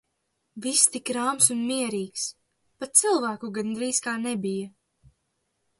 Viss tik rāms un mierīgs, pat cilvēku gandrīz kā nebija.